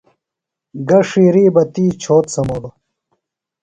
گہ ڇِھیری بہ تی چھوت سمولوۡ۔